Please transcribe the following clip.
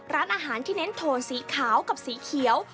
ร้านอาหารที่เน้นโทนสีขาวกับสีเขียว